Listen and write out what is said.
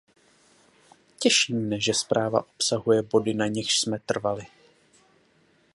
Těší mne, že zpráva obsahuje body, na nichž jsme trvali.